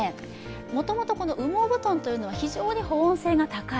もともと羽毛布団は非常に保温性が高い。